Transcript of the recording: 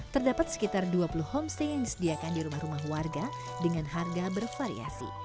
terdapat sekitar dua puluh homestay yang disediakan di rumah rumah warga dengan harga bervariasi